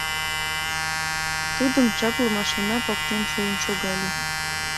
Тудым чапле машина поктен шуын шогале.